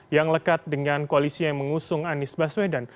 yang lekat dengan koalisi yang mengusung anies baswedan